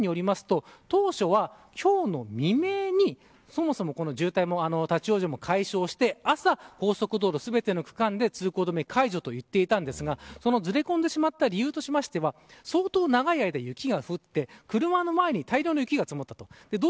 ＮＥＸＣＯ中日本によりますと当初は今日の未明にそもそも、この渋滞も立ち往生も解消して朝、高速道路全ての区間で通行止め解除と言っていましたがそのずれ込んでしまった理由としては相当、長い間雪が降って車の前に大量の雪が積もったと。